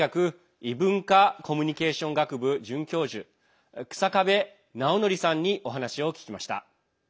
異文化コミュニケーション学部准教授日下部尚徳さんにお話を聞きました。